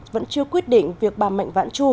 vẫn chưa quyết định việc bà mạnh vãn chu